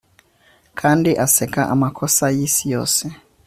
kandi aseka amakosa yisi yose